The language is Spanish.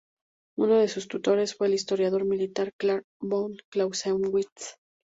Uno de sus tutores fue el historiador militar Carl von Clausewitz.